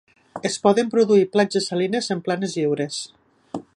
Es poden produir platges salines en planes lliures.